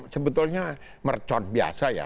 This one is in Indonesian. sebetulnya mercon biasa ya